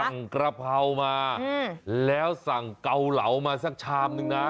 กระเพรามาแล้วสั่งเกาเหลามาสักชามนึงนะ